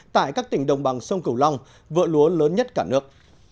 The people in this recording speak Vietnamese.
tại các tỉnh đồng bằng sông cầu long vợ lúa lớn nhất cả nước